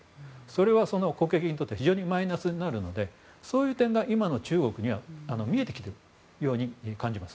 それは国益にとっては非常にマイナスになるのでそういう点が今の中国には見えてきているように感じます。